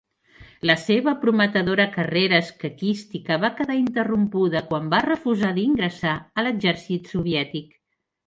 La seva prometedora carrera escaquística va quedar interrompuda quan va refusar d'ingressar a l'exèrcit soviètic.